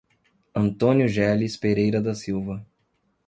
Antônio Geles Pereira da Silva